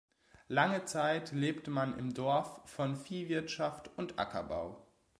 Lange Zeit lebte man im Dorf von Viehwirtschaft und Ackerbau.